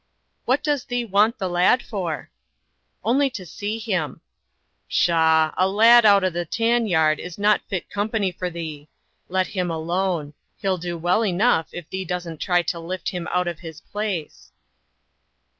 "What does thee want the lad for?" "Only to see him." "Pshaw! a lad out o' the tan yard is not fit company for thee. Let him alone; he'll do well enough if thee doesn't try to lift him out of his place."